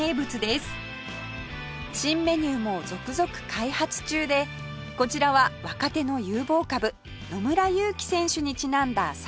新メニューも続々開発中でこちらは若手の有望株野村佑希選手にちなんだサラダ